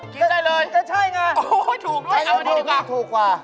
กินได้เลยอ้อก็ใช่ไง